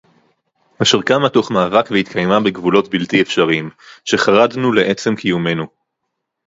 אשר קמה תוך מאבק והתקיימה בגבולות בלתי אפשריים; שחרדנו לעצם קיומנו